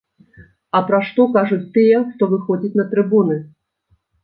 А пра што кажуць тыя, хто выходзіць на трыбуны?